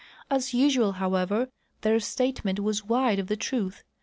As usual, however, their statement was wide of the truth.